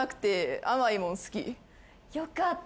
よかった。